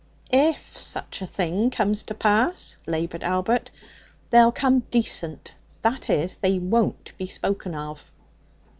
'If such a thing comes to pass,' laboured Albert, 'they'll come decent, that is, they won't be spoken of.'